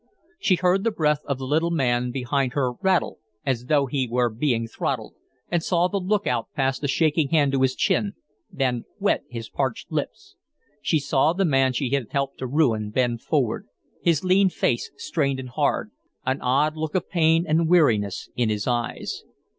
She heard the breath of the little man behind her rattle as though he were being throttled, and saw the lookout pass a shaking hand to his chin, then wet his parched lips. She saw the man she had helped to ruin bend forward, his lean face strained and hard, an odd look of pain and weariness in his eyes.